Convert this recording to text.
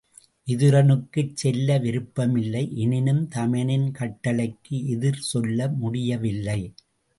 விதுரனுக்குச் செல்ல விருப்பம் இல்லை எனினும் தமையனின் கட்டளைக்கு எதிர் சொல்ல முடியவில்லை.